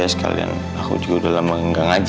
sekalian aku juga udah lama nggak ngaji